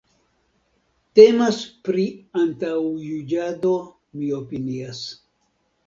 Temas pri antaŭjuĝado, mi opinias.